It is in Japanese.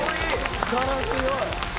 力強い！